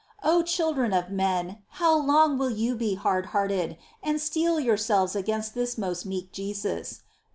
Oh, children of men, how long will you be hard hearted,* and steel yourselves against this most meek Jesus